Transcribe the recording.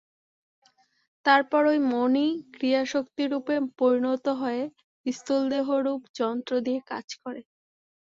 তারপর ঐ মনই ক্রিয়াশক্তিরূপে পরিণত হয়ে স্থূলদেহরূপ যন্ত্র দিয়ে কাজ করে।